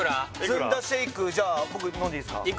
ずんだシェイクじゃあ僕飲んでいいですか？